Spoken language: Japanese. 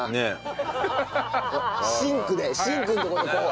シンクでシンクのとこでこう。